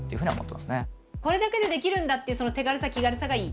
これだけで出来るんだっていうその手軽さ気軽さがいい？